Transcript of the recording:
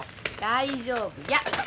大丈夫や。